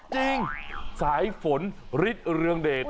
จริงสายฝนฤทธิ์เรืองเด็ก